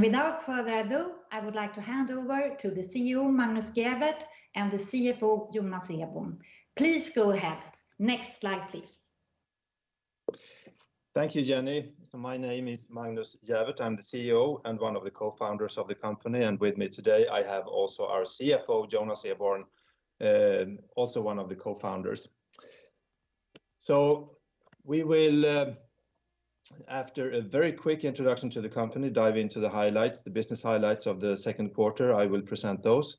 Without further ado, I would like to hand over to the CEO, Magnus Gäfvert, and the CFO, Jonas Eborn. Please go ahead. Next slide, please. Thank you, Jenny. My name is Magnus Gäfvert. I'm the CEO and one of the co-founders of the company, and with me today I have also our CFO, Jonas Eborn, also one of the co-founders. We will, after a very quick introduction to the company, dive into the business highlights of the second quarter. I will present those,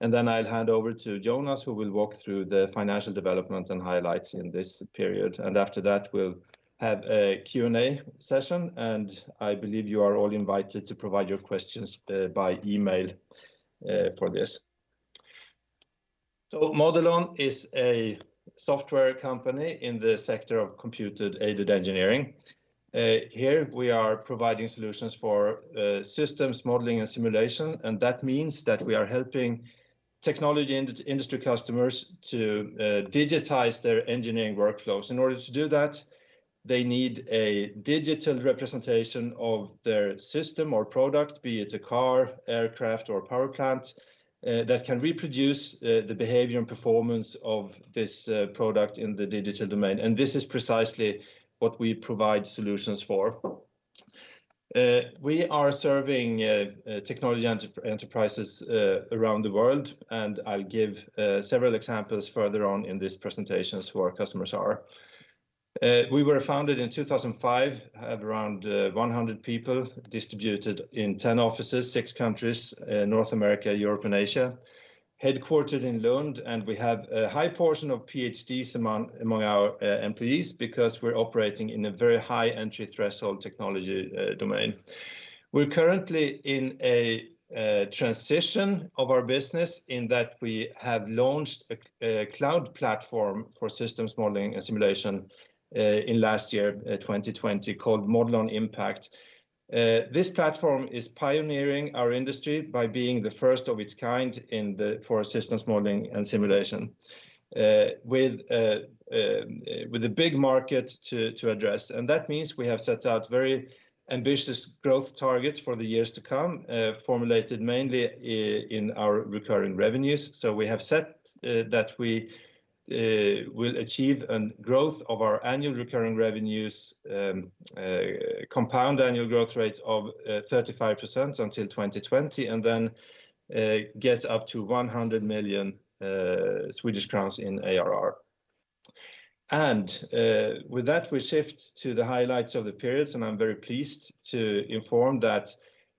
and then I'll hand over to Jonas, who will walk through the financial developments and highlights in this period. After that, we'll have a Q&A session, and I believe you are all invited to provide your questions by email for this. Modelon is a software company in the sector of computer-aided engineering. Here we are providing solutions for systems modeling and simulation, and that means that we are helping technology industry customers to digitize their engineering workflows. In order to do that, they need a digital representation of their system or product, be it a car, aircraft, or power plant, that can reproduce the behavior and performance of this product in the digital domain. This is precisely what we provide solutions for. We are serving technology enterprises around the world. I'll give several examples further on in this presentation as to who our customers are. We were founded in 2005, have around 100 people distributed in 10 offices, six countries, North America, Europe, and Asia, headquartered in Lund. We have a high portion of PhDs among our employees because we're operating in a very high entry threshold technology domain. We're currently in a transition of our business in that we have launched a cloud platform for systems modeling and simulation in last year, 2020, called Modelon Impact. This platform is pioneering our industry by being the first of its kind for systems modeling and simulation, with a big market to address. That means we have set out very ambitious growth targets for the years to come, formulated mainly in our recurring revenues. We have set that we will achieve a growth of our annual recurring revenues, compound annual growth rates of 35% until 2020, and then get up to 100 million Swedish crowns in ARR. With that, we shift to the highlights of the periods, and I'm very pleased to inform that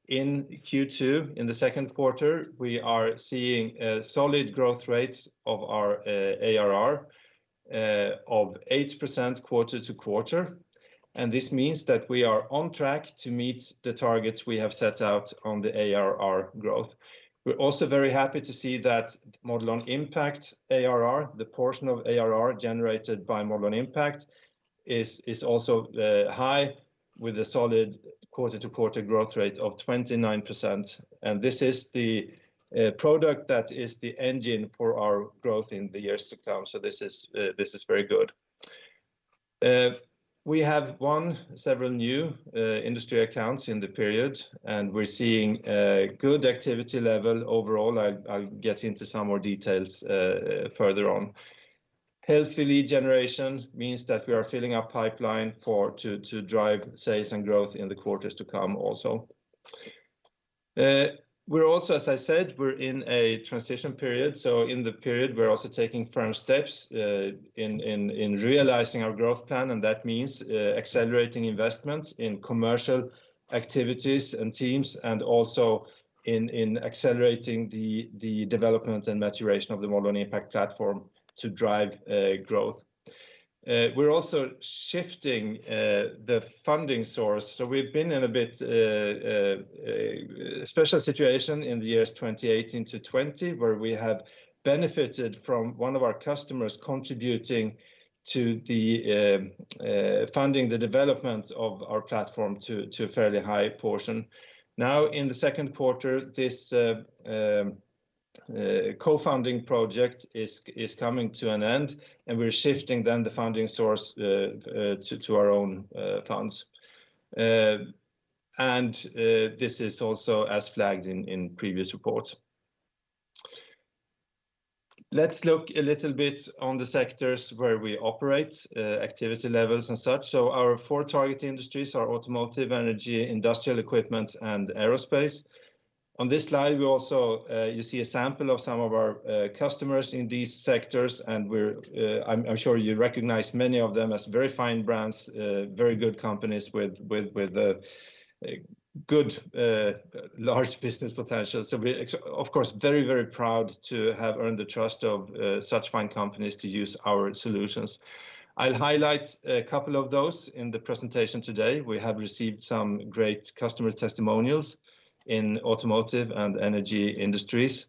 in Q2, in the second quarter, we are seeing solid growth rates of our ARR of 8% quarter-to-quarter, and this means that we are on track to meet the targets we have set out on the ARR growth. We're also very happy to see that Modelon Impact ARR, the portion of ARR generated by Modelon Impact, is also high with a solid quarter-to-quarter growth rate of 29%. This is the product that is the engine for our growth in the years to come. This is very good. We have won several new industry accounts in the period, and we're seeing a good activity level overall. I'll get into some more details further on. Healthy lead generation means that we are filling our pipeline to drive sales and growth in the quarters to come also. As I said, we're in a transition period, so in the period we're also taking firm steps in realizing our growth plan, and that means accelerating investments in commercial activities and teams and also in accelerating the development and maturation of the Modelon Impact platform to drive growth. We're also shifting the funding source. We've been in a bit special situation in the years 2018 to 2020, where we have benefited from one of our customers contributing to funding the development of our platform to a fairly high portion. Now, in the second quarter, this co-funding project is coming to an end, and we're shifting then the funding source to our own funds. This is also as flagged in previous reports. Let's look a little bit on the sectors where we operate, activity levels and such. Our four target industries are automotive, energy, industrial equipment, and aerospace. On this slide, you see a sample of some of our customers in these sectors, and I'm sure you recognize many of them as very fine brands, very good companies with good large business potential. We're of course, very proud to have earned the trust of such fine companies to use our solutions. I'll highlight a couple of those in the presentation today. We have received some great customer testimonials in automotive and energy industries.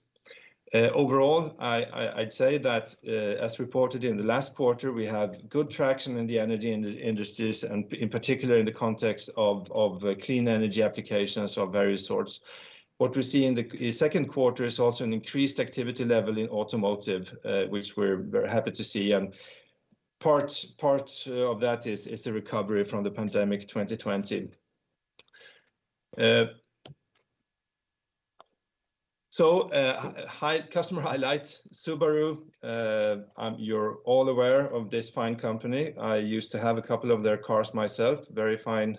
Overall, I'd say that, as reported in the last quarter, we have good traction in the energy industries and in particular in the context of clean energy applications of various sorts. What we see in the second quarter is also an increased activity level in automotive, which we're very happy to see and part of that is the recovery from the pandemic 2020. Customer highlight, Subaru. You're all aware of this fine company. I used to have a couple of their cars myself. Very fine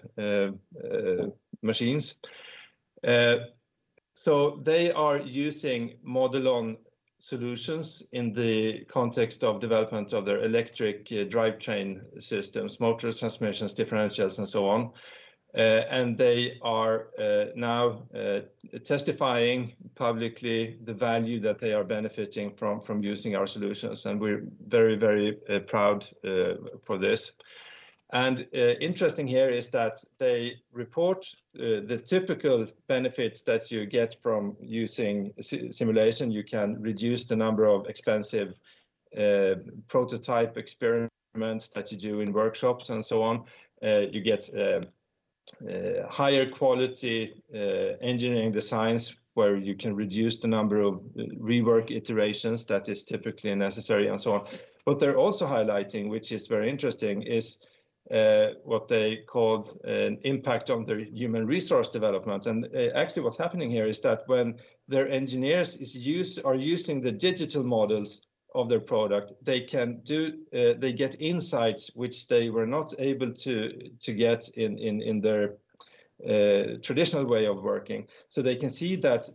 machines. They are using Modelon solutions in the context of development of their electric drivetrain systems, motors, transmissions, differentials, and so on. They are now testifying publicly the value that they are benefiting from using our solutions, and we're very proud for this. Interesting here is that they report the typical benefits that you get from using simulation. You can reduce the number of expensive prototype experiments that you do in workshops and so on. You get higher quality engineering designs where you can reduce the number of rework iterations that is typically necessary and so on. They're also highlighting, which is very interesting, is what they called an impact on their human resource development. Actually what's happening here is that when their engineers are using the digital models of their product, they get insights which they were not able to get in their traditional way of working. They can see that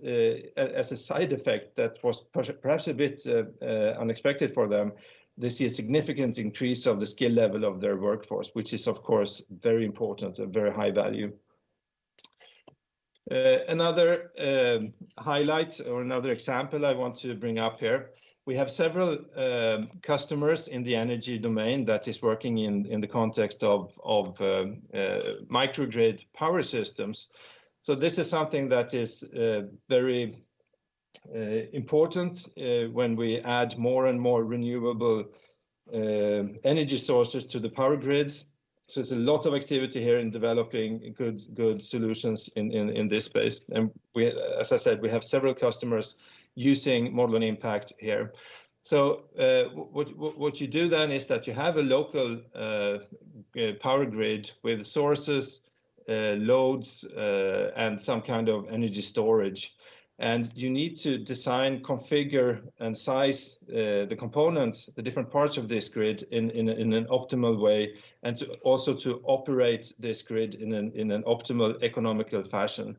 as a side effect that was perhaps a bit unexpected for them. They see a significant increase of the skill level of their workforce, which is of course, very important, a very high value. Another highlight or another example I want to bring up here, we have several customers in the energy domain that is working in the context of microgrid power systems. This is something that is very important when we add more and more renewable energy sources to the power grids. It's a lot of activity here in developing good solutions in this space. As I said, we have several customers using Modelon Impact here. What you do then is that you have a local power grid with sources, loads, and some kind of energy storage, and you need to design, configure, and size the components, the different parts of this grid in an optimal way. Also to operate this grid in an optimal economical fashion.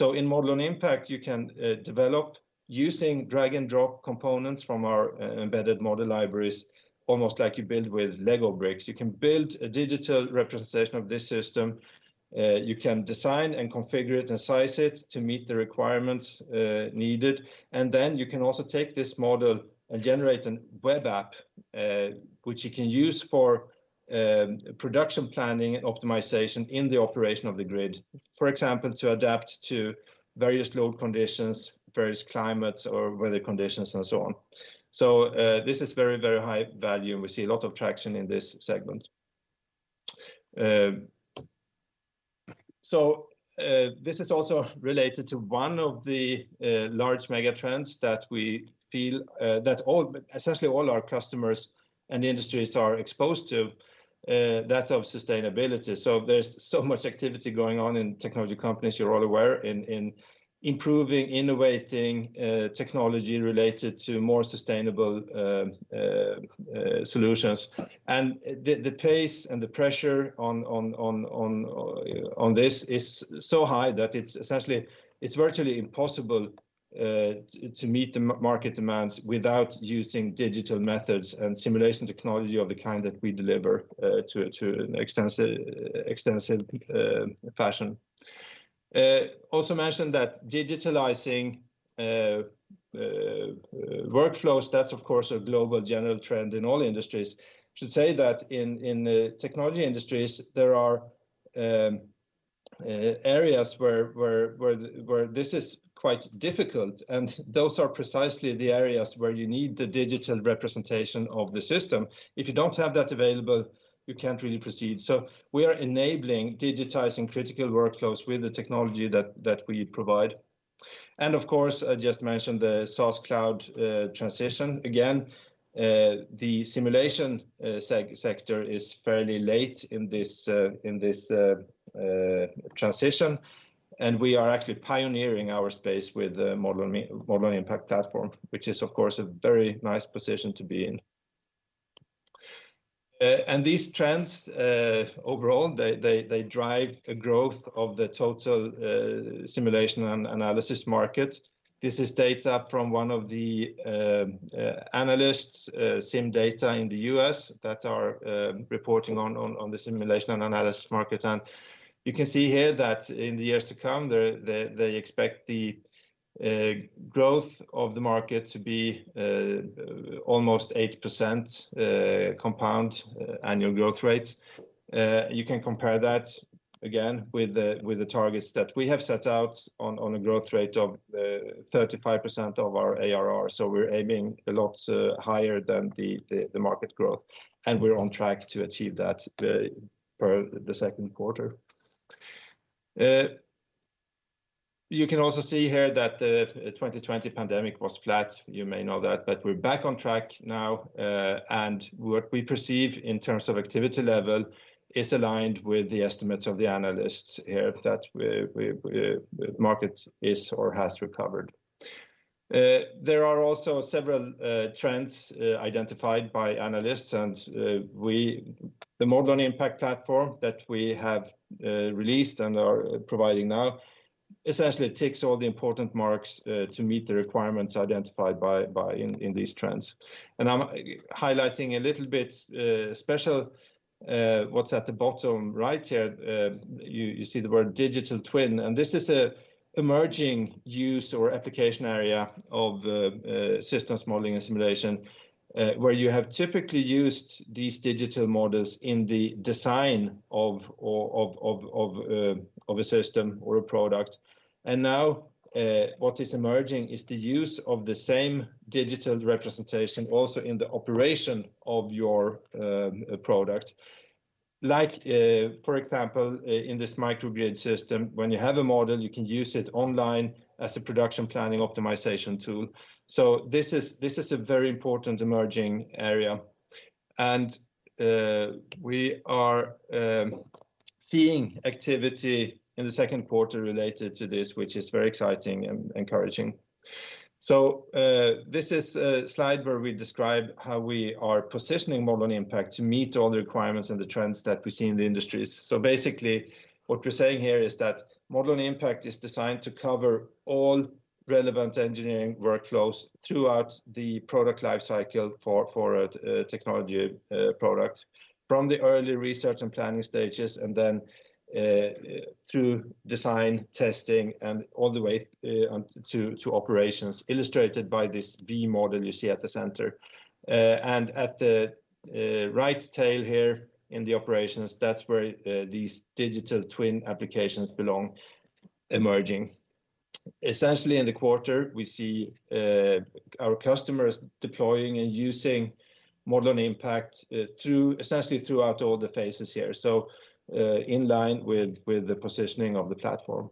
In Modelon Impact, you can develop using drag and drop components from our embedded model libraries, almost like you build with Lego bricks. You can build a digital representation of this system. You can design and configure it and size it to meet the requirements needed. Then you can also take this model and generate a web app, which you can use for production planning and optimization in the operation of the grid, for example, to adapt to various load conditions, various climates or weather conditions, and so on. This is very high value, and we see a lot of traction in this segment. This is also related to one of the large mega trends that we feel that essentially all our customers and the industries are exposed to, that of sustainability. There's so much activity going on in technology companies, you're all aware, in improving, innovating technology related to more sustainable solutions. The pace and the pressure on this is so high that it's virtually impossible to meet the market demands without using digital methods and simulation technology of the kind that we deliver to an extensive fashion. Also mention that digitalizing workflows, that's of course, a global general trend in all industries. Should say that in the technology industries, there are areas where this is quite difficult, and those are precisely the areas where you need the digital representation of the system. If you don't have that available, you can't really proceed. We are enabling digitizing critical workflows with the technology that we provide. Of course, I just mentioned the SaaS cloud transition. The simulation sector is fairly late in this transition. We are actually pioneering our space with the Modelon Impact platform, which is of course, a very nice position to be in. These trends, overall, they drive a growth of the total simulation and analysis market. This is data from one of the analysts, CIMdata in the U.S., that are reporting on the simulation and analysis market. You can see here that in the years to come, they expect the growth of the market to be almost 8% compound annual growth rates. You can compare that again with the targets that we have set out on a growth rate of 35% of our ARR. We're aiming a lot higher than the market growth. We're on track to achieve that per the second quarter. You can also see here that the 2020 pandemic was flat. You may know that, but we're back on track now. What we perceive in terms of activity level is aligned with the estimates of the analysts here, that the market is or has recovered. There are also several trends identified by analysts and the Modelon Impact platform that we have released and are providing now, essentially ticks all the important marks to meet the requirements identified in these trends. I'm highlighting a little bit, special, what's at the bottom right here. You see the word digital twin, and this is an emerging use or application area of systems modeling and simulation, where you have typically used these digital models in the design of a system or a product. Now, what is emerging is the use of the same digital representation also in the operation of your product. Like, for example, in this microgrid system, when you have a model, you can use it online as a production planning optimization tool. This is a very important emerging area. We are seeing activity in the second quarter related to this, which is very exciting and encouraging. This is a slide where we describe how we are positioning Modelon Impact to meet all the requirements and the trends that we see in the industries. Basically, what we're saying here is that Modelon Impact is designed to cover all relevant engineering workflows throughout the product life cycle for a technology product. From the early research and planning stages, then through design, testing, and all the way to operations, illustrated by this V-model you see at the center. At the right tail here in the operations, that's where these digital twin applications belong, emerging. Essentially in the quarter, we see our customers deploying and using Modelon Impact essentially throughout all the phases here. In line with the positioning of the platform.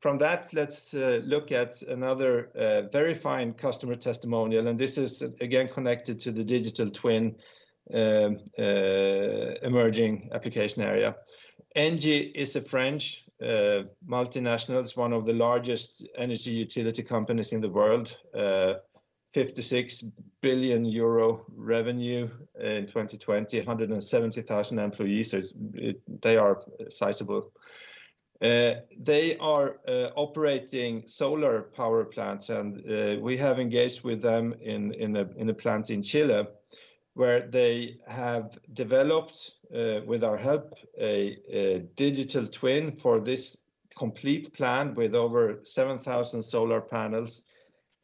From that, let's look at another very fine customer testimonial, and this is again connected to the digital twin emerging application area. Engie is a French multinational. It's one of the largest energy utility companies in the world. 56 billion euro revenue in 2020, 170,000 employees. They are sizable. They are operating solar power plants, and we have engaged with them in a plant in Chile, where they have developed, with our help, a digital twin for this complete plant with over 7,000 solar panels,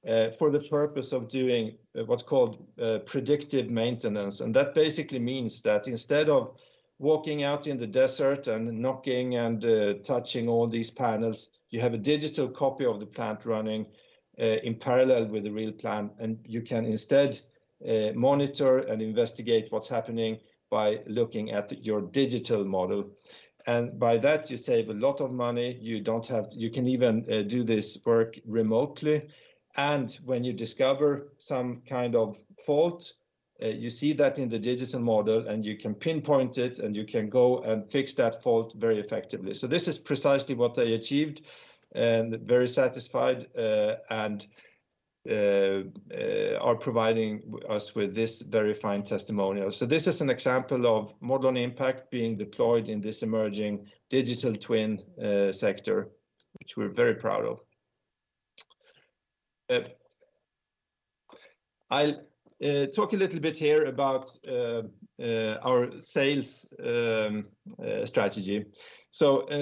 for the purpose of doing what's called predictive maintenance. That basically means that instead of walking out in the desert and knocking and touching all these panels, you have a digital copy of the plant running in parallel with the real plant, and you can instead monitor and investigate what's happening by looking at your digital model. By that, you save a lot of money. You can even do this work remotely, when you discover some kind of fault, you see that in the digital model, you can pinpoint it, you can go and fix that fault very effectively. This is precisely what they achieved and very satisfied, are providing us with this very fine testimonial. This is an example of Modelon Impact being deployed in this emerging digital twin sector, which we're very proud of. I'll talk a little bit here about our sales strategy.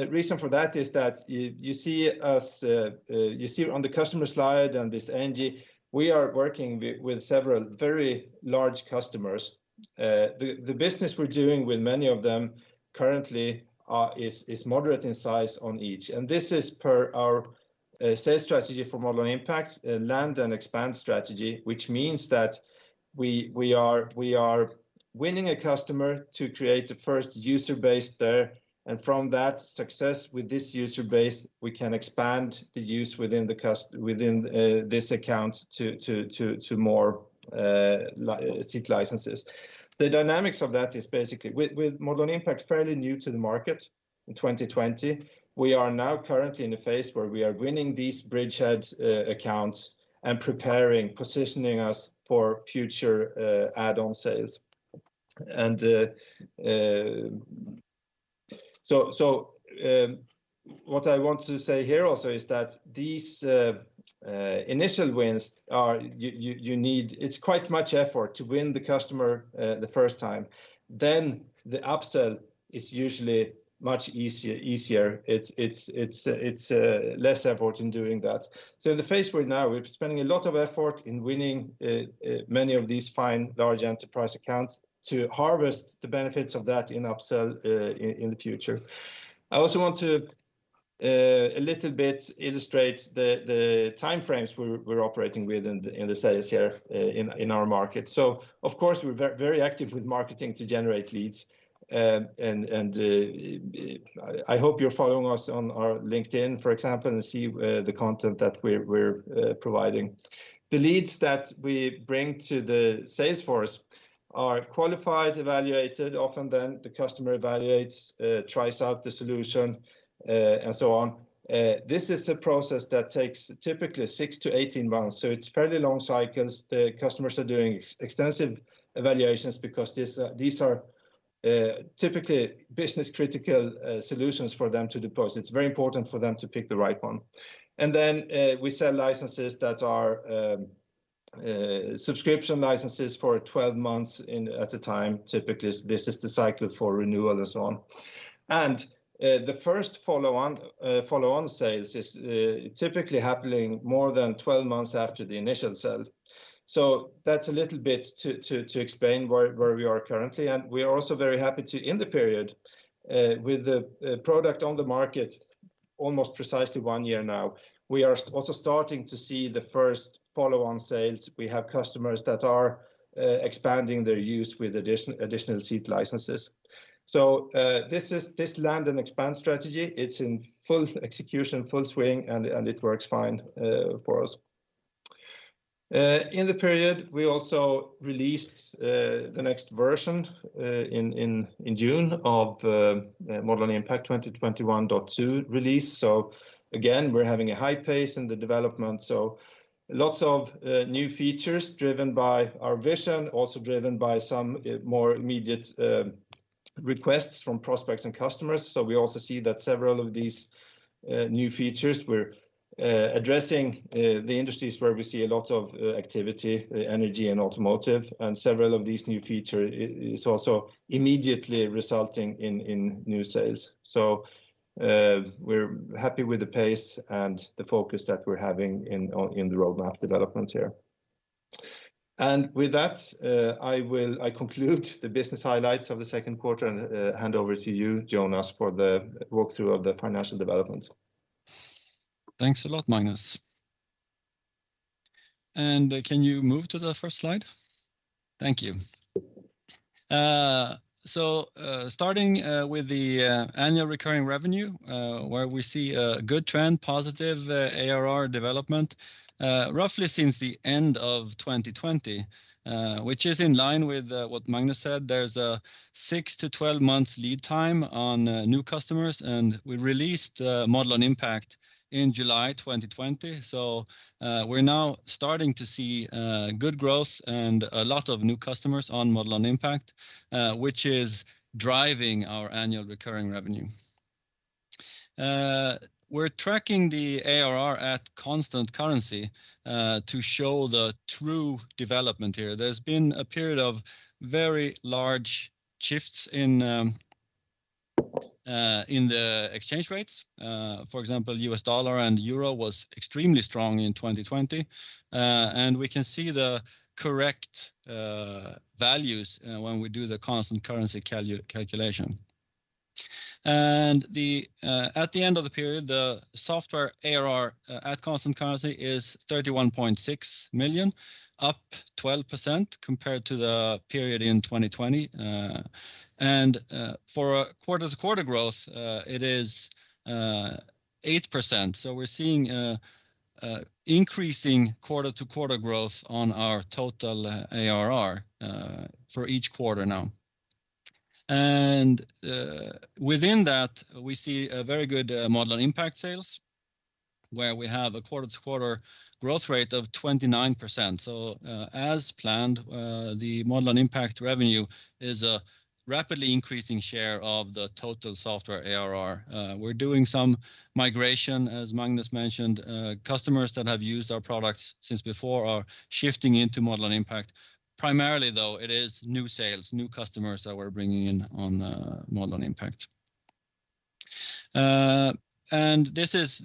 Reason for that is that you see on the customer slide on this Engie, we are working with several very large customers. The business we're doing with many of them currently is moderate in size on each, and this is per our sales strategy for Modelon Impact, a land and expand strategy, which means that we are winning a customer to create a first user base there. From that success with this user base, we can expand the use within this account to more seat licenses. The dynamics of that is basically with Modelon Impact fairly new to the market in 2020, we are now currently in a phase where we are winning these bridgeheads accounts and preparing, positioning us for future add-on sales. What I want to say here also is that these initial wins are, you need, it's quite much effort to win the customer the first time. The upsell is usually much easier. It's less effort in doing that. In the phase we're in now, we're spending a lot of effort in winning many of these fine large enterprise accounts to harvest the benefits of that in upsell in the future. I also want to a little bit illustrates the timeframes we're operating with in the sales here in our market. Of course, we're very active with marketing to generate leads. I hope you're following us on our LinkedIn, for example, and see the content that we're providing. The leads that we bring to the sales force are qualified, evaluated, often then the customer evaluates, tries out the solution, and so on. This is a process that takes typically six to 18 months. It's fairly long cycles. The customers are doing extensive evaluations because these are typically business-critical solutions for them to deploy. It's very important for them to pick the right one. We sell licenses that are subscription licenses for 12 months at a time. Typically, this is the cycle for renewal and so on. The first follow-on sales is typically happening more than 12 months after the initial sale. That's a little bit to explain where we are currently, and we are also very happy to, in the period, with the product on the market almost precisely one year now, we are also starting to see the first follow-on sales. We have customers that are expanding their use with additional seat licenses. This land and expand strategy, it's in full execution, full swing, and it works fine for us. In the period, we also released the next version in June of Modelon Impact 2021.2 release. Again, we're having a high pace in the development. Lots of new features driven by our vision, also driven by some more immediate requests from prospects and customers. We also see that several of these new features, we're addressing the industries where we see a lot of activity, energy and automotive, and several of these new feature is also immediately resulting in new sales. We're happy with the pace and the focus that we're having in the roadmap development here. With that, I conclude the business highlights of the second quarter and hand over to you, Jonas, for the walkthrough of the financial development. Thanks a lot, Magnus. Can you move to the first slide? Thank you. Starting with the annual recurring revenue, where we see a good trend, positive ARR development, roughly since the end of 2020, which is in line with what Magnus said. There's a six to 12 months lead time on new customers, and we released Modelon Impact in July 2020. We're now starting to see good growth and a lot of new customers on Modelon Impact, which is driving our annual recurring revenue. We're tracking the ARR at constant currency to show the true development here. There's been a period of very large shifts in the exchange rates. For example, U.S. dollar and euro was extremely strong in 2020. We can see the correct values when we do the constant currency calculation. At the end of the period, the software ARR at constant currency is 31.6 million, up 12% compared to the period in 2020. For quarter-to-quarter growth, it is 8%. We're seeing increasing quarter-to-quarter growth on our total ARR for each quarter now. Within that, we see a very good Modelon Impact sales, where we have a quarter-to-quarter growth rate of 29%. As planned, the Modelon Impact revenue is a rapidly increasing share of the total software ARR. We're doing some migration, as Magnus mentioned. Customers that have used our products since before are shifting into Modelon Impact. Primarily, though, it is new sales, new customers that we're bringing in on Modelon Impact. This is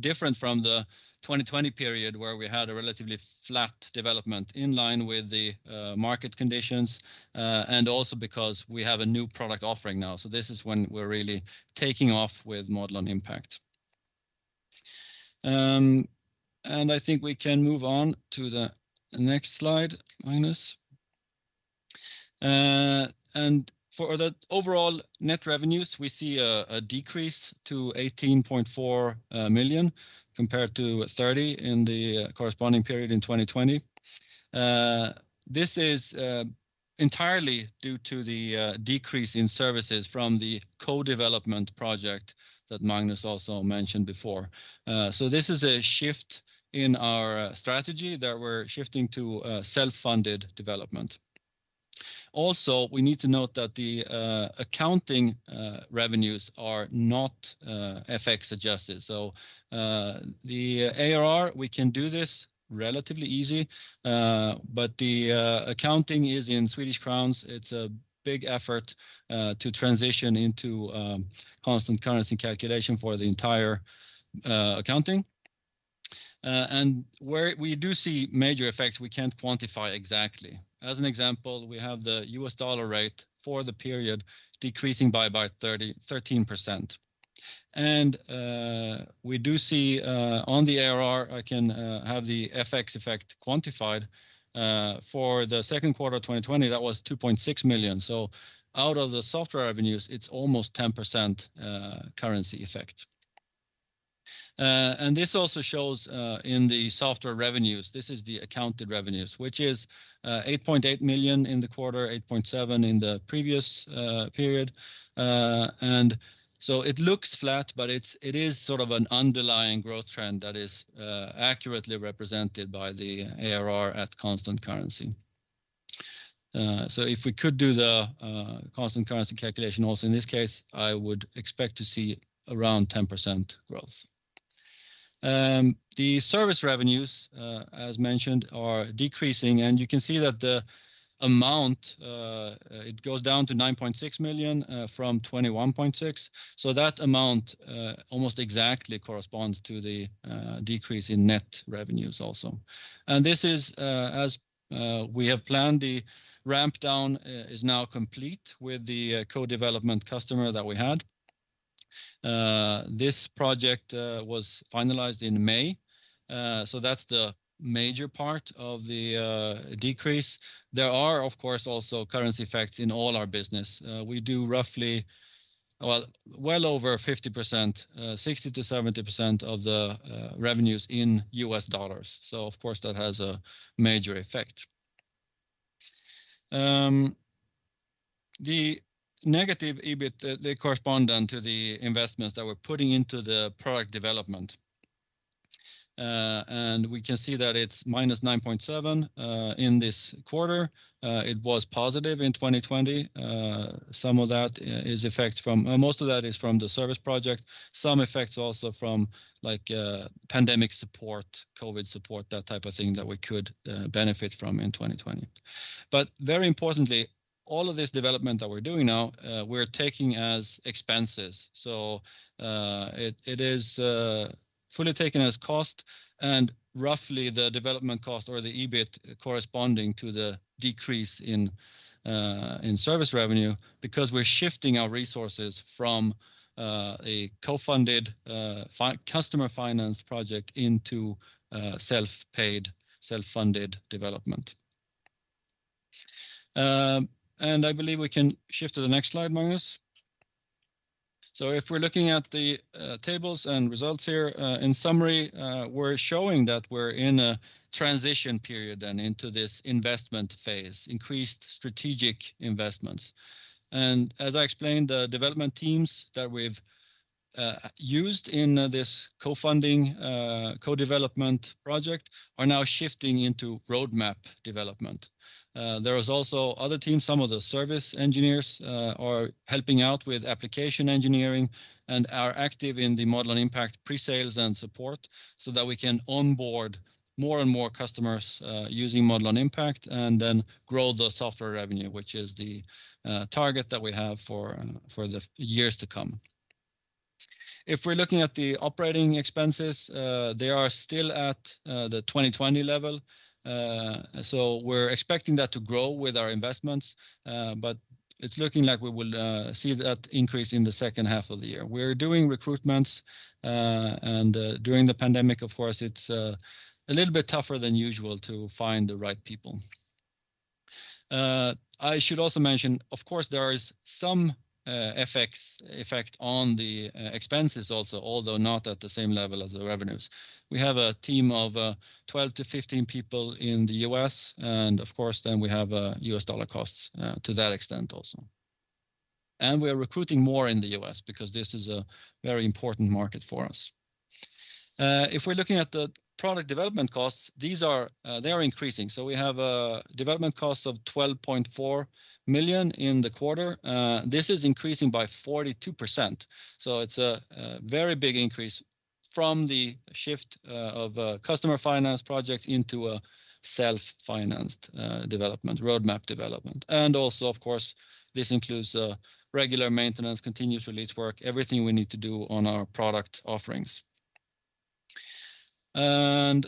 different from the 2020 period, where we had a relatively flat development in line with the market conditions, and also because we have a new product offering now. This is when we're really taking off with Modelon Impact. I think we can move on to the next slide, Magnus. For the overall net revenues, we see a decrease to 18.4 million compared to 30 in the corresponding period in 2020. This is entirely due to the decrease in services from the co-development project that Magnus also mentioned before. This is a shift in our strategy that we're shifting to self-funded development. Also, we need to note that the accounting revenues are not FX adjusted. The ARR, we can do this relatively easy, but the accounting is in Swedish crowns. It's a big effort to transition into constant currency calculation for the entire accounting. Where we do see major effects, we can't quantify exactly. As an example, we have the U.S. dollar rate for the period decreasing by about 13%. We do see on the ARR, I can have the FX effect quantified for the second quarter of 2020, that was 2.6 million. Out of the software revenues, it is almost 10% currency effect. This also shows in the software revenues, this is the accounted revenues, which is 8.8 million in the quarter, 8.7 million in the previous period. It looks flat, but it is sort of an underlying growth trend that is accurately represented by the ARR at constant currency. If we could do the constant currency calculation also in this case, I would expect to see around 10% growth. The service revenues, as mentioned, are decreasing, and you can see that the amount, it goes down to 9.6 million from 21.6 million. That amount almost exactly corresponds to the decrease in net revenues also. This is as we have planned, the ramp down is now complete with the co-development customer that we had. This project was finalized in May. That's the major part of the decrease. There are, of course, also currency effects in all our business. We do roughly, well over 50%, 60%-70% of the revenues in U.S. dollars. Of course, that has a major effect. The negative EBIT, they correspond then to the investments that we're putting into the product development. We can see that it's -9.7 in this quarter. It was positive in 2020. Most of that is from the service project. Some effects also from pandemic support, COVID support, that type of thing that we could benefit from in 2020. Very importantly, all of this development that we're doing now, we're taking as expenses. It is fully taken as cost and roughly the development cost or the EBIT corresponding to the decrease in service revenue because we're shifting our resources from a co-funded, customer-financed project into self-paid, self-funded development. I believe we can shift to the next slide, Magnus. If we're looking at the tables and results here, in summary, we're showing that we're in a transition period and into this investment phase, increased strategic investments. As I explained, the development teams that we've used in this co-funding, co-development project are now shifting into roadmap development. There is also other teams, some of the service engineers are helping out with application engineering and are active in the Modelon Impact pre-sales and support so that we can onboard more and more customers using Modelon Impact and then grow the software revenue, which is the target that we have for the years to come. If we're looking at the operating expenses, they are still at the 2020 level. We're expecting that to grow with our investments, but it's looking like we will see that increase in the second half of the year. We're doing recruitments and during the pandemic, of course, it's a little bit tougher than usual to find the right people. I should also mention, of course, there is some effect on the expenses also, although not at the same level as the revenues. We have a team of 12-15 people in the U.S., and of course then we have U.S. dollar costs to that extent also. We're recruiting more in the U.S. because this is a very important market for us. If we're looking at the product development costs, they're increasing. We have a development cost of 12.4 million in the quarter. This is increasing by 42%. It's a very big increase from the shift of a customer finance project into a self-financed development, roadmap development. Also, of course, this includes regular maintenance, continuous release work, everything we need to do on our product offerings. I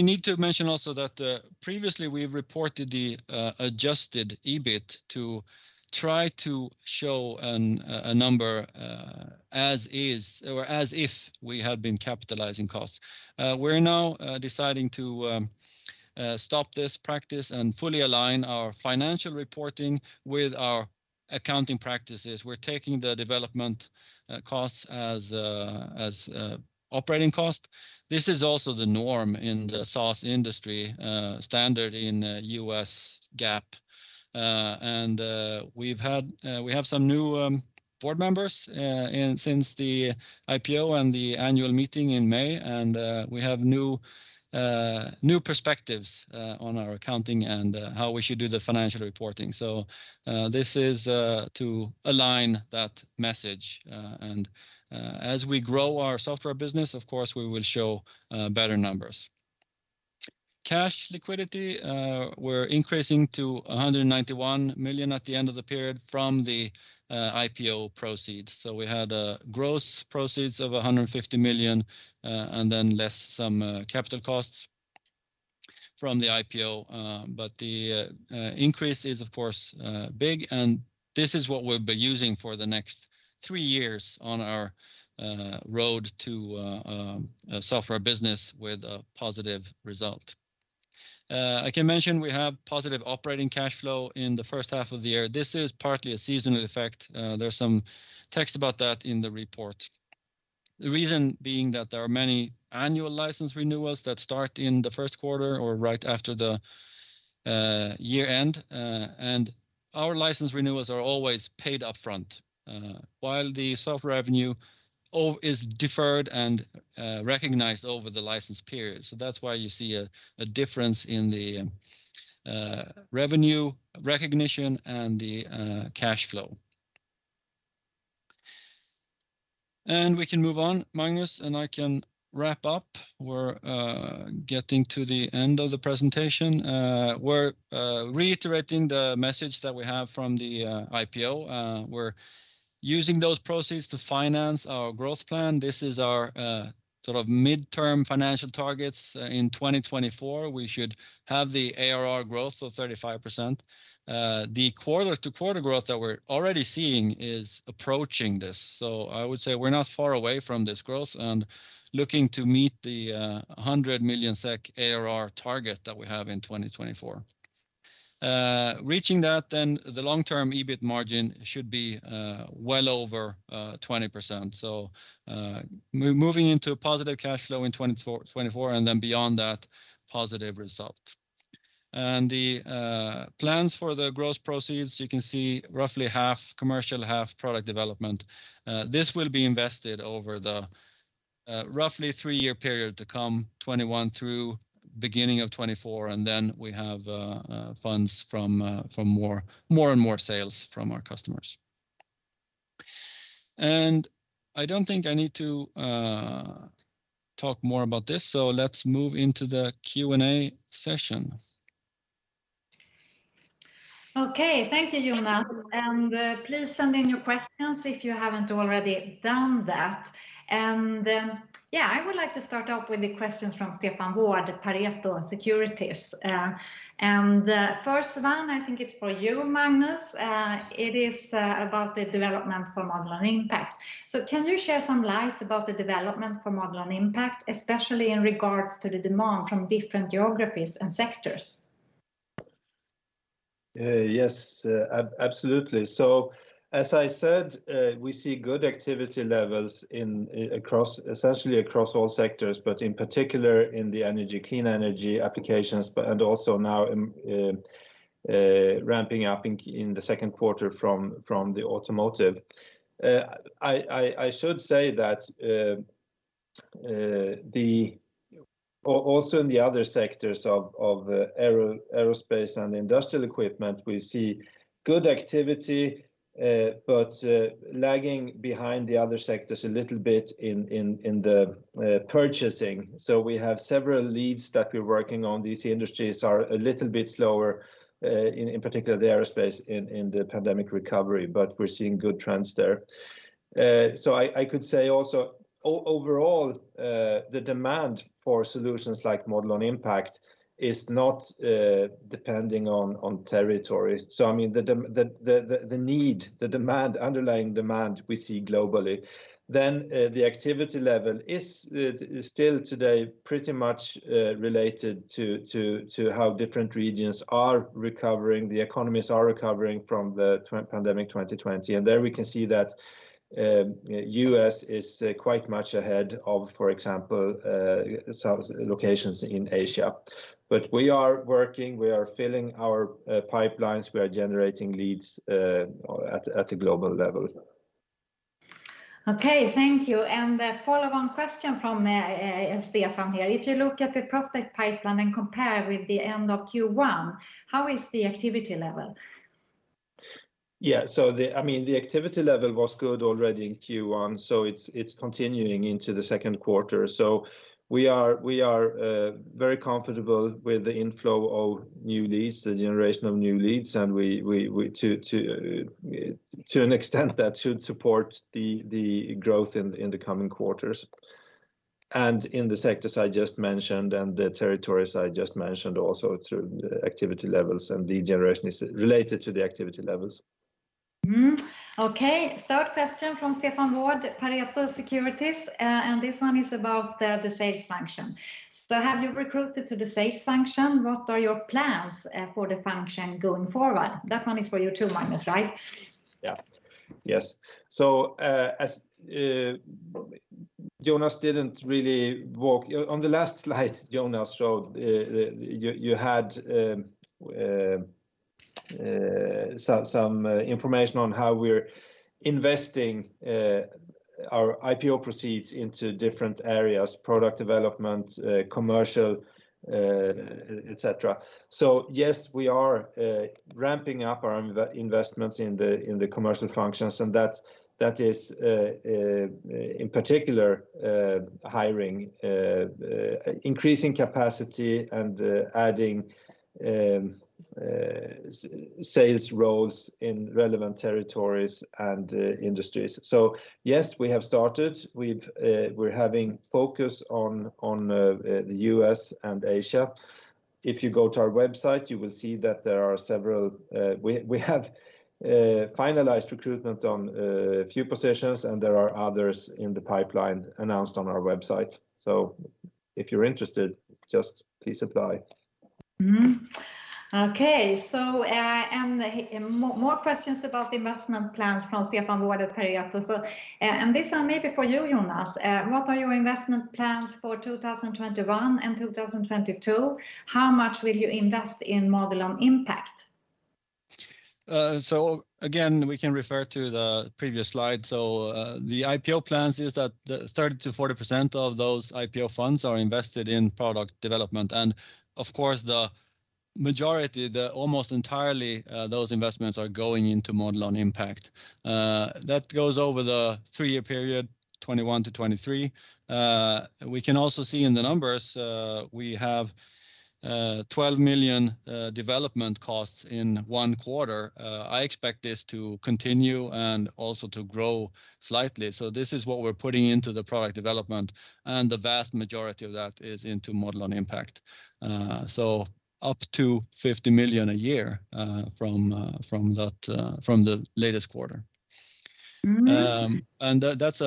need to mention also that previously we've reported the adjusted EBIT to try to show a number as is or as if we had been capitalizing costs. We're now deciding to stop this practice and fully align our financial reporting with our accounting practices. We're taking the development costs as operating costs. This is also the norm in the SaaS industry, standard in U.S. GAAP. We have some new board members since the IPO and the annual meeting in May, and we have new perspectives on our accounting and how we should do the financial reporting. This is to align that message. As we grow our software business, of course we will show better numbers. Cash liquidity, we're increasing to 191 million at the end of the period from the IPO proceeds. We had gross proceeds of 150 million, and then less some capital costs from the IPO. The increase is of course big, and this is what we'll be using for the next three years on our road to a software business with a positive result. I can mention we have positive operating cash flow in the 1st half of the year. This is partly a seasonal effect. There's some text about that in the report. The reason being that there are many annual license renewals that start in the first quarter, or right after the year-end. Our license renewals are always paid upfront, while the software revenue is deferred and recognized over the license period. That's why you see a difference in the revenue recognition and the cash flow. We can move on, Magnus, and I can wrap up. We're getting to the end of the presentation. We're reiterating the message that we have from the IPO. We're using those proceeds to finance our growth plan. This is our mid-term financial targets. In 2024, we should have the ARR growth of 35%. The quarter-to-quarter growth that we're already seeing is approaching this. I would say we're not far away from this growth and looking to meet the 100 million SEK ARR target that we have in 2024. Reaching that, the long-term EBIT margin should be well over 20%. Moving into a positive cash flow in 2024, then beyond that, positive result. The plans for the gross proceeds, you can see roughly half commercial, half product development. This will be invested over the roughly three-year period to come, 2021 through beginning of 2024, then we have funds from more and more sales from our customers. I don't think I need to talk more about this, so let's move into the Q&A session. Okay. Thank you, Jonas, and please send in your questions if you haven't already done that. Then, yeah, I would like to start off with the questions from Stefan Wård, Pareto Securities. The first one, I think it's for you, Magnus. It is about the development for Modelon Impact. Can you shed some light about the development for Modelon Impact, especially in regards to the demand from different geographies and sectors? Yes. Absolutely. As I said, we see good activity levels essentially across all sectors, but in particular in the clean energy applications and also now ramping up in the second quarter from the automotive. I should say that also in the other sectors of aerospace and industrial equipment, we see good activity, but lagging behind the other sectors a little bit in the purchasing. We have several leads that we're working on. These industries are a little bit slower, in particular the aerospace in the pandemic recovery, but we're seeing good trends there. I could say also, overall, the demand for solutions like Modelon Impact is not depending on territory. I mean, the need, the underlying demand we see globally. The activity level is still today pretty much related to how different regions are recovering, the economies are recovering from the pandemic 2020. There we can see that U.S. is quite much ahead of, for example, locations in Asia. We are working, we are filling our pipelines, we are generating leads at a global level. Okay, thank you. A follow-on question from Stefan here. If you look at the prospect pipeline and compare with the end of Q1, how is the activity level? Yeah. The activity level was good already in Q1, so it's continuing into the second quarter. We are very comfortable with the inflow of new leads, the generation of new leads, and to an extent that should support the growth in the coming quarters. In the sectors I just mentioned and the territories I just mentioned also through the activity levels and lead generation is related to the activity levels. Okay. Third question from Stefan Wård, Pareto Securities, this one is about the sales function. Have you recruited to the sales function? What are your plans for the function going forward? That one is for you too, Magnus, right? Yes, on the last slide Jonas showed, you had some information on how we're investing our IPO proceeds into different areas, product development, commercial, et cetera. Yes, we are ramping up our investments in the commercial functions, and that is in particular hiring, increasing capacity, and adding sales roles in relevant territories and industries. Yes, we have started. We're having focus on the U.S. and Asia. If you go to our website, you will see that we have finalized recruitment on a few positions, and there are others in the pipeline announced on our website. If you're interested, just please apply. Okay. More questions about investment plans from Stefan Wård. This one may be for you, Jonas. What are your investment plans for 2021 and 2022? How much will you invest in Modelon Impact? Again, we can refer to the previous slide. The IPO plan is that 30%-40% of those IPO funds are invested in product development. Of course, the majority, almost entirely, those investments are going into Modelon Impact. That goes over the three-year period, 2021 to 2023. We can also see in the numbers, we have 12 million development costs in one quarter. I expect this to continue and also to grow slightly. This is what we're putting into the product development, and the vast majority of that is into Modelon Impact. Up to 50 million a year, from the latest quarter. That's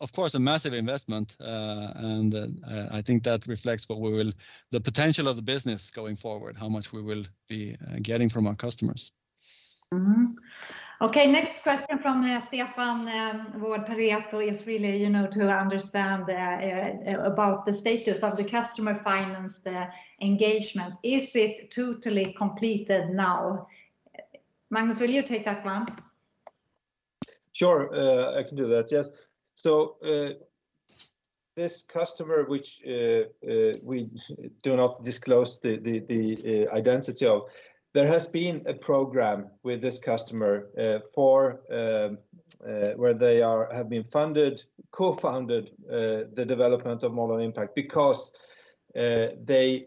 of course a massive investment, and I think that reflects the potential of the business going forward, how much we will be getting from our customers. Mm-hmm. Okay, next question from Stefan Wård is really to understand about the status of the customer finance engagement. Is it totally completed now? Magnus, will you take that one? Sure, I can do that. Yes. This customer, which we do not disclose the identity of, there has been a program with this customer where they have co-funded the development of Modelon Impact because they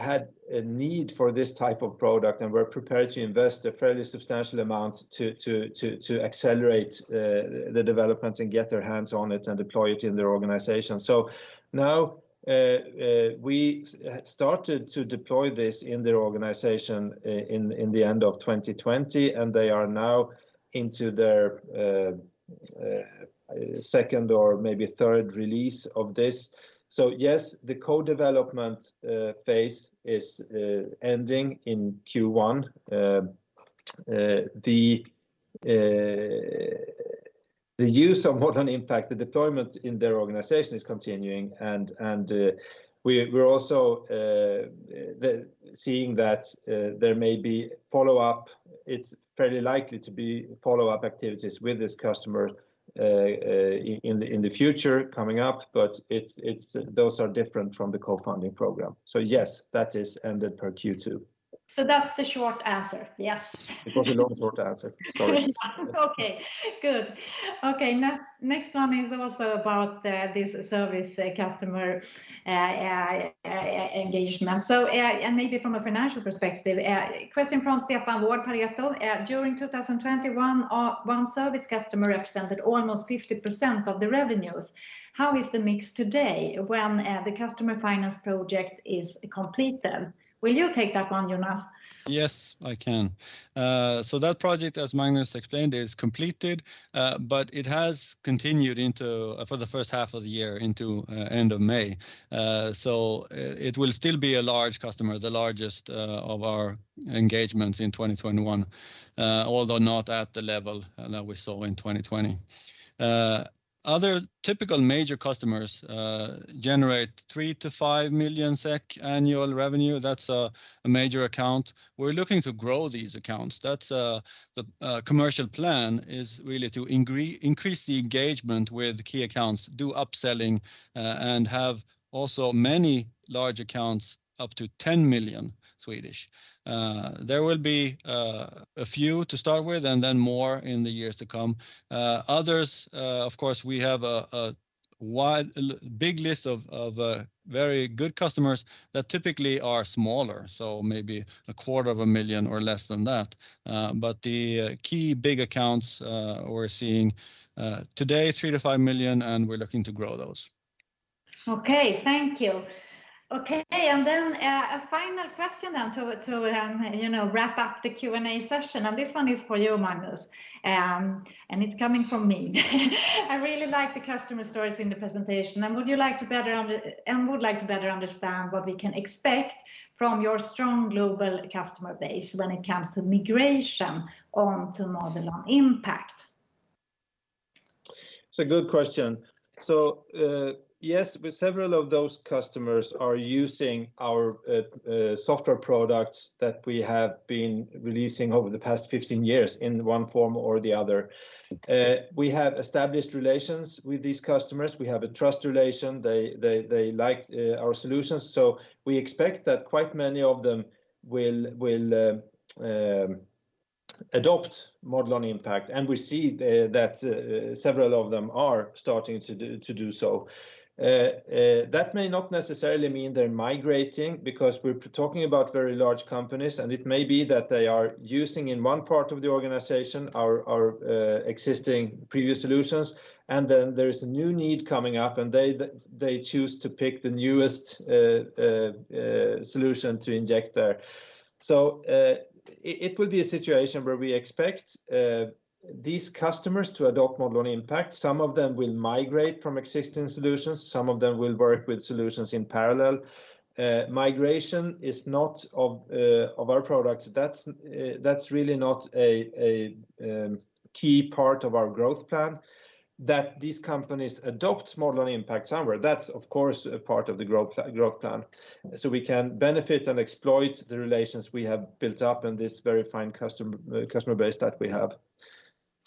had a need for this type of product and were prepared to invest a fairly substantial amount to accelerate the development and get their hands on it and deploy it in their organization. Now, we started to deploy this in their organization in the end of 2020, and they are now into their second or maybe third release of this. Yes, the co-development phase is ending in Q1. The use of Modelon Impact, the deployment in their organization is continuing, and we're also seeing that there may be follow-up. It's fairly likely to be follow-up activities with this customer in the future coming up, but those are different from the co-development program. Yes, that has ended per Q2. That's the short answer. Yes. It was a long short answer, sorry. Okay, good. Okay, next one is also about this service customer engagement, and maybe from a financial perspective. Question from Stefan Wård, during 2021, 1 service customer represented almost 50% of the revenues. How is the mix today when the customer finance project is completed? Will you take that one, Jonas? Yes, I can. That project, as Magnus explained, is completed, but it has continued for the first half of the year into end of May. It will still be a large customer, the largest of our engagements in 2021, although not at the level that we saw in 2020. Other typical major customers generate 3 million-5 million SEK annual revenue. That's a major account. We're looking to grow these accounts. The commercial plan is really to increase the engagement with key accounts, do upselling, and have also many large accounts, up to 10 million. There will be a few to start with, then more in the years to come. Others, of course, we have a big list of very good customers that typically are smaller, maybe a quarter of a million or less than that. The key big accounts we're seeing today, 3 million-5 million, and we're looking to grow those. Thank you. A final question now to wrap up the Q&A session. This one is for you, Magnus, and it's coming from me. I really like the customer stories in the presentation, and would like to better understand what we can expect from your strong global customer base when it comes to migration onto Modelon Impact. It's a good question. Yes, several of those customers are using our software products that we have been releasing over the past 15 years in one form or the other. We have established relations with these customers. We have a trust relation. They like our solutions. We expect that quite many of them will adopt Modelon Impact, and we see that several of them are starting to do so. That may not necessarily mean they're migrating, because we're talking about very large companies, and it may be that they are using in one part of the organization our existing previous solutions, and then there is a new need coming up, and they choose to pick the newest solution to inject there. It will be a situation where we expect these customers to adopt Modelon Impact. Some of them will migrate from existing solutions. Some of them will work with solutions in parallel. Migration is not of our products. That's really not a key part of our growth plan. These companies adopt Modelon Impact somewhere, that's of course, a part of the growth plan. We can benefit and exploit the relations we have built up and this very fine customer base that we have.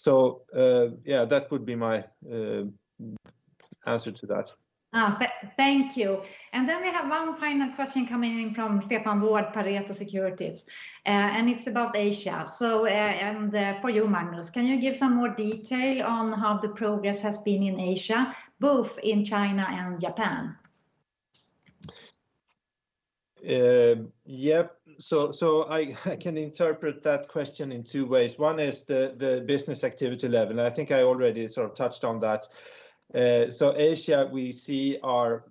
That would be my answer to that. Thank you. We have 1 final question coming in from Stefan Wård, Pareto Securities, and it's about Asia. For you, Magnus, can you give some more detail on how the progress has been in Asia, both in China and Japan? Yes. I can interpret that question in two ways. One is the business activity level, and I think I already sort of touched on that. Asia, we see are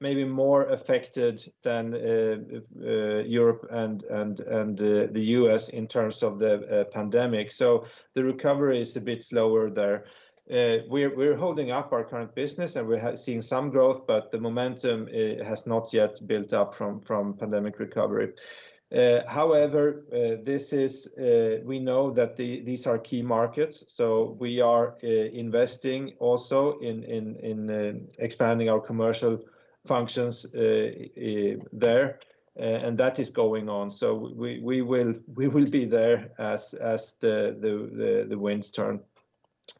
maybe more affected than Europe and the U.S. in terms of the pandemic. The recovery is a bit slower there. We're holding up our current business, and we're seeing some growth, but the momentum has not yet built up from pandemic recovery. However, we know that these are key markets, so we are investing also in expanding our commercial functions there, and that is going on. We will be there as the winds turn.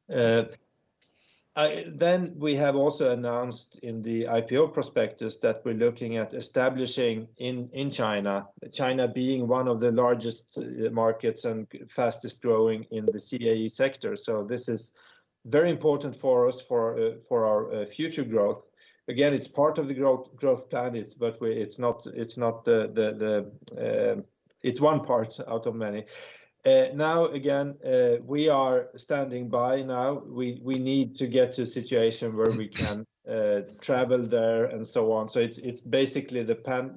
We have also announced in the IPO prospectus that we're looking at establishing in China being one of the largest markets and fastest growing in the CAE sector. This is very important for us, for our future growth. Again, it's part of the growth plan, but it's one part out of many. Again, we are standing by now. We need to get to a situation where we can travel there and so on. It's basically the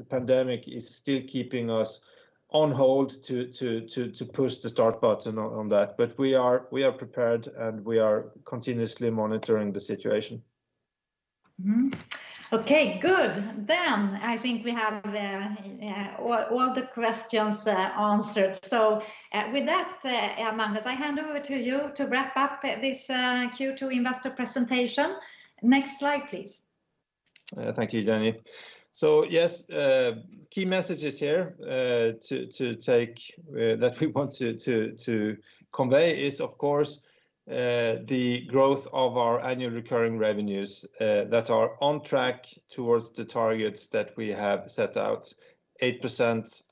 pandemic is still keeping us on hold to push the start button on that. We are prepared, and we are continuously monitoring the situation. Okay, good. I think we have all the questions answered. With that, Magnus, I hand over to you to wrap up this Q2 investor presentation. Next slide, please. Thank you, Jenny. Yes, key messages here that we want to convey is, of course, the growth of our Annual Recurring Revenues that are on track towards the targets that we have set out, 8%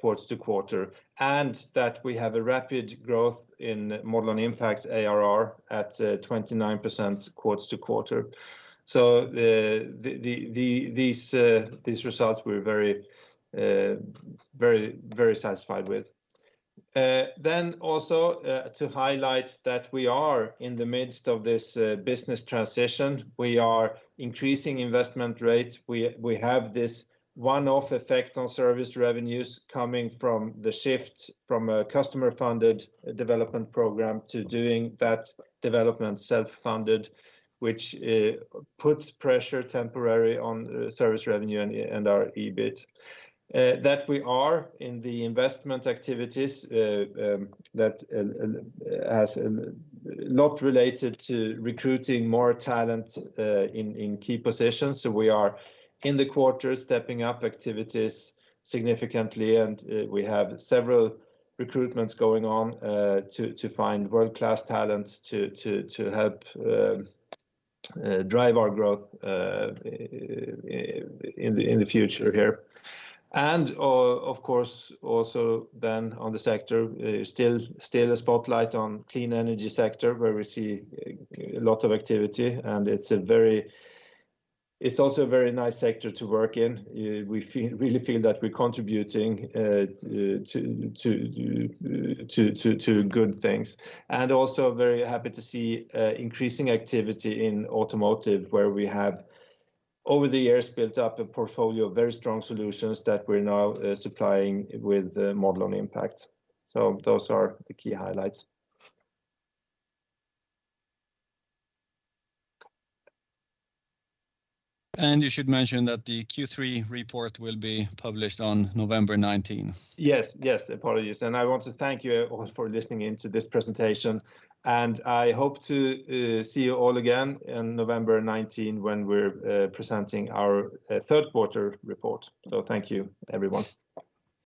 quarter-to-quarter, and that we have a rapid growth in Modelon Impact ARR at 29% quarter-to-quarter. These results we're very satisfied with. Also to highlight that we are in the midst of this business transition. We are increasing investment rate. We have this one-off effect on service revenues coming from the shift from a customer-funded development program to doing that development self-funded, which puts pressure temporarily on service revenue and our EBIT. That we are in the investment activities that are not related to recruiting more talent in key positions. We are in the quarter stepping up activities significantly, and we have several recruitments going on to find world-class talents to help drive our growth in the future here. Of course, also then on the sector, still a spotlight on clean energy sector where we see a lot of activity, and it's also a very nice sector to work in. We really feel that we're contributing to good things. Also very happy to see increasing activity in automotive, where we have over the years built up a portfolio of very strong solutions that we're now supplying with Modelon Impact. Those are the key highlights. You should mention that the Q3 report will be published on November 19th. Yes. Apologies. I want to thank you all for listening in to this presentation, and I hope to see you all again on November 19th when we're presenting our third quarter report. Thank you, everyone.